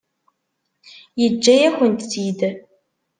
Yeǧǧa-yakent-t-id?